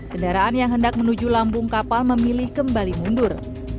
kendaraan yang hendak menuju lambung kapal memilih kembali mundur